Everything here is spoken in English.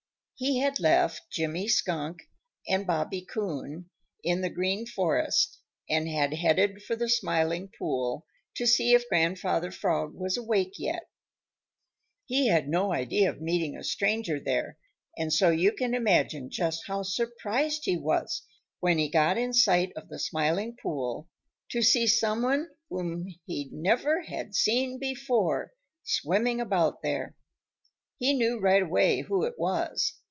He had left Jimmy Skunk and Bobby Coon in the Green Forest and had headed for the Smiling Pool to see if Grandfather Frog was awake yet. He had no idea of meeting a stranger there, and so you can imagine just how surprised he was when he got in sight of the Smiling Pool to see some one whom he never had seen before swimming about there. He knew right away who it was.